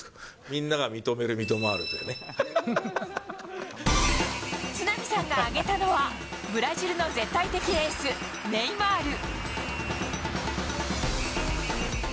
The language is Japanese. みんなが認めるミトマールってい都並さんが挙げたのは、ブラジルの絶対的エース、ネイマール。